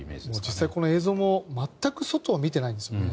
実際にこの映像も全く外を見ていないですよね。